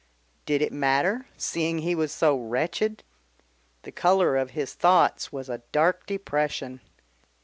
Did it matter, seeing he was so wretched? The colour of his thoughts was a dark depression.